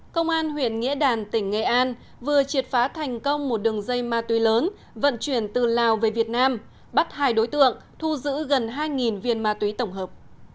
công an huyện nghĩa đàn tỉnh nghệ an vừa triệt phá thành công một đường dây ma túy lớn vận chuyển từ lào về việt nam bắt hai đối tượng thu giữ gần hai viên ma túy tổng hợp